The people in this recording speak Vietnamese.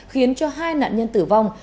khiến cho hai nạn nhân tử vong